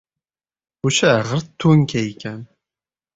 O‘sha g‘irt to‘nka ekan!